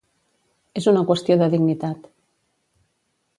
És una qüestió de dignitat.